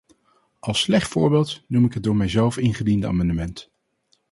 Als slecht voorbeeld noem ik het door mijzelf ingediende amendement.